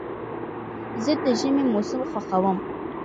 زه د ژمي موسم خوښوم.